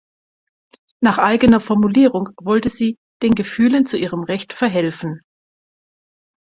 Nach eigener Formulierung wollte sie „den Gefühlen zu ihrem Recht verhelfen“.